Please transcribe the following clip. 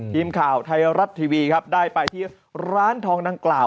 ทีมข่าวไทยรัฐทีวีครับได้ไปที่ร้านทองดังกล่าว